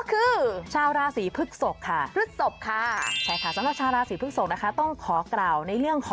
เขาว่าอาจจะมาเรียง๑๒๓๔